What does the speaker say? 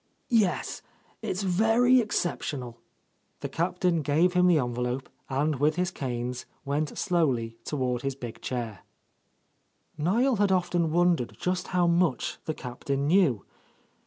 "Yes. It's very exceptional." The Captain gave him the envelope, and with his canes went slowly toward his big chair. — T t6 — A Lost Lady Niel had often wondered just how much the Captain knew.